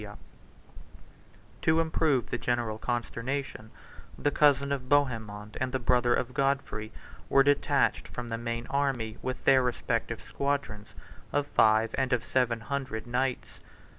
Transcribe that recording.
] To improve the general consternation, the cousin of Bohemond and the brother of Godfrey were detached from the main army with their respective squadrons of five, and of seven, hundred knights.